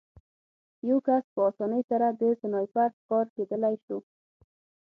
یو کس په اسانۍ سره د سنایپر ښکار کېدلی شو